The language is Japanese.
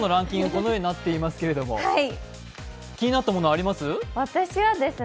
このようになっていますけど、気になったものあります？